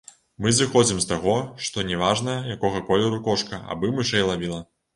Мы зыходзім з таго, што не важна якога колеру кошка, абы мышэй лавіла.